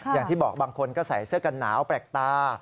อย่างที่บอกบางคนก็ใส่เสื้อกันหนาวแปลกตา